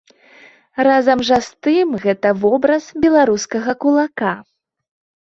Разам жа з тым гэта вобраз беларускага кулака.